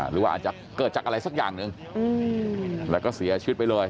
หรือว่าอาจจะเกิดจากอะไรสักอย่างหนึ่งแล้วก็เสียชีวิตไปเลย